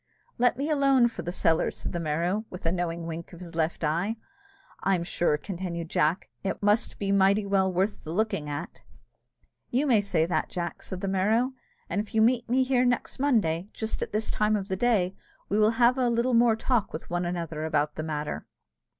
"Let me alone for the cellar," said the Merrow, with a knowing wink of his left eye. "I'm sure," continued Jack, "it must be mighty well worth the looking at." "You may say that, Jack," said the Merrow; "and if you meet me here next Monday, just at this time of the day, we will have a little more talk with one another about the matter."